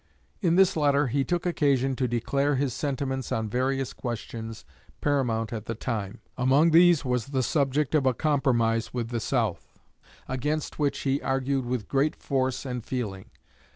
In this letter he took occasion to declare his sentiments on various questions paramount at the time. Among these was the subject of a compromise with the South, against which he argued with great force and feeling.